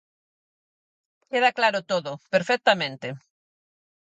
Queda claro todo, perfectamente.